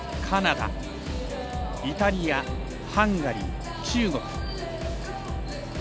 カナダ、イタリア、ハンガリー中国。